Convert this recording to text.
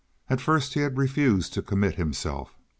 At first he had refused to commit himself.